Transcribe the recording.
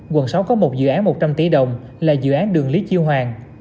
quận sáu có một dự án một trăm linh tỷ đồng là dự án đường lý chiêu hoàng